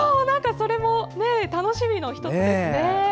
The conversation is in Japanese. それも楽しみの１つですね。